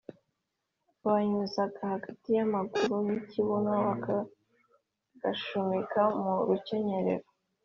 banyuzaga hagati y’amaguru n’ikibuno bakagashumikira mu rukenyerero.